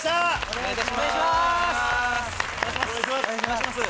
お願いします！